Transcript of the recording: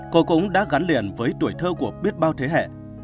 liên liện với tuổi thơ của biết bao thế hệ